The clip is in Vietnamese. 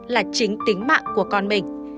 là chính tính mạng của con mình